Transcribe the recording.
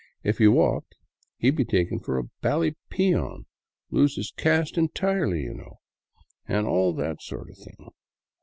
If he walked, he 'd be taken for a bally peon, lose his caste entirely, y* know, and all that sort of thing."